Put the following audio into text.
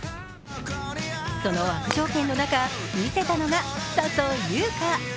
その悪条件の中、見せたのが笹生優花。